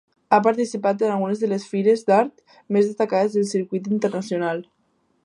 Ha participat en algunes de les fires d'art més destacades del circuit internacional.